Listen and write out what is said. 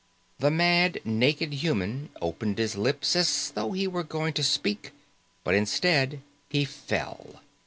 The mad, naked human opened his lips as though he were going to speak, but instead, he fell.